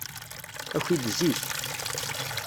Aki-d zik.